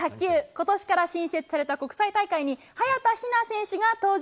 今年から新設された国際大会に早田ひな選手が登場。